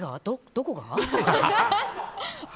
どこが？